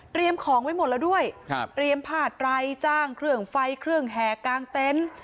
ของไว้หมดแล้วด้วยครับเตรียมผ้าไรจ้างเครื่องไฟเครื่องแห่กลางเต็นต์